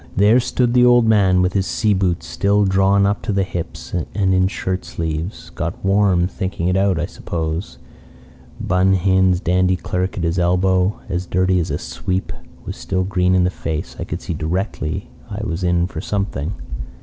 There stood the old man with his sea boots still drawn up to the hips and in shirt sleeves got warm thinking it out, I suppose. Bun Hin's dandy clerk at his elbow, as dirty as a sweep, was still green in the face. I could see directly I was in for something.